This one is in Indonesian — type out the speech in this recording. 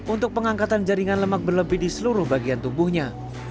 untuk pengangkatan jaringan lemak berlebih di seluruh bagian tubuhnya